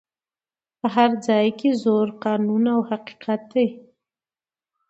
په هر ځای کي زور قانون او حقیقت دی